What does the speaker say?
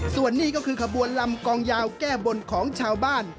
ส่วนนี้ก็คือขบวนลำกองยาวแก้บนของชาวบ้าน